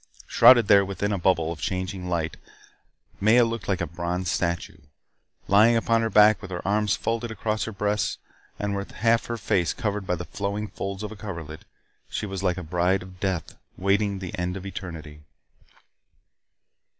Shrouded there within a bubble of changing light, Maya looked like a bronze statue. Lying upon her back with her arms folded across her breasts, and with half of her face covered by the flowing folds of a coverlet, she was like a bride of death, waiting the end of eternity.